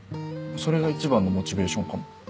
それが一番のモチベーションかも。